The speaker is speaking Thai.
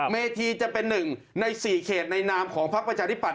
เมธีจะเป็นหนึ่งในสี่เขตในนามของพักประชาธิปัตย์